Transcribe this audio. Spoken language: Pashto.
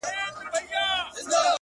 کلونه کيږي چي يې زه د راتلو لارې څارم;